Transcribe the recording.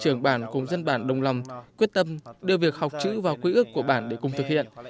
trường bản cùng dân bản đồng lòng quyết tâm đưa việc học chữ vào quý ước của bản để cùng thực hiện